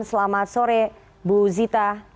selamat sore bu zita